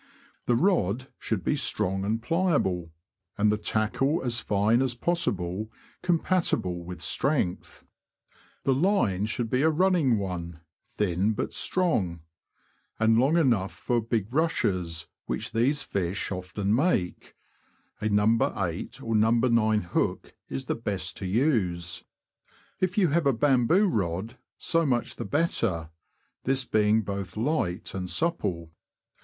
The rod should be strong and pliable, and the tackle as fine as possible compatible with strength. The line should be a running one, thin but strong, and long enough for big rushes, which these fish often make ; a No. 8 or No. 9 hook is the best to use. If you have a bamboo rod, so much the better, this being both light and supple.